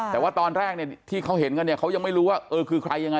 แต่ว่าตอนแรกที่เขาเห็นกันเขายังไม่รู้ว่าคือใครยังไง